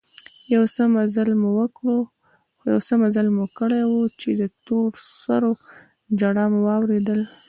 يو څه مزل مو کړى و چې د تور سرو ژړا مو واورېدل.